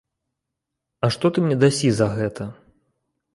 А што ты мне дасі за гэта?